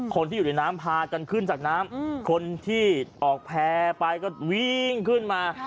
คนที่อยู่ในน้ำพากันขึ้นจากน้ำคนที่ออกแพร่ไปก็วิ่งขึ้นมา